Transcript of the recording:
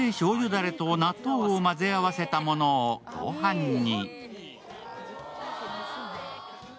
だれと納豆を混ぜ合わせたものを御飯に。